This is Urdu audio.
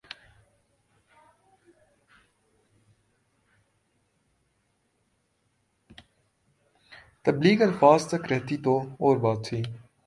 تبلیغ الفاظ تک رہتی تو اور بات تھی۔